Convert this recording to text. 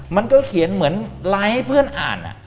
มันก็เขียนเหมือนไลค์ให้เพื่อนอ่าน